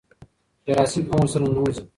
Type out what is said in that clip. جراثیم هم ورسره ننوځي.